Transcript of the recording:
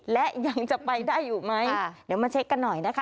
และยังจะไปได้อยู่ไหมเดี๋ยวมาเช็คกันหน่อยนะคะ